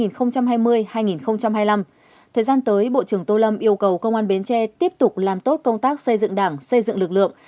thời gian tới bộ trưởng tô lâm yêu cầu công an bến tre tiếp tục làm tốt công tác xây dựng đảng xây dựng lực lượng